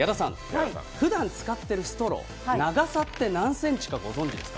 ふだん使っているストロー、長さって何センチかご存じですか。